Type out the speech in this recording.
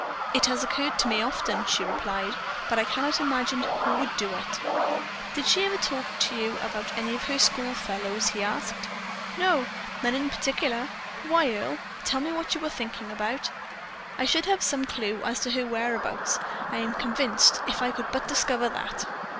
"It has occurred to me often," she replied, "but I cannot imagine who would do it." "Did she ever talk to you about any of her school fellows?" he asked. "No, none in particular. Why, Earle, tell me what you are thinking about?" "I should have some clew to her whereabouts, I am convinced, if I could but discover that."